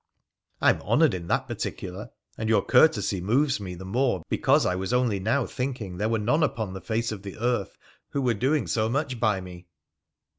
' I am honoured in that particular, and your courtesy moves me the more because I was only now thinking there were none upon the face of the earth who were doing so much by me.'